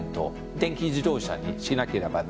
電気自動車にしなければなりません。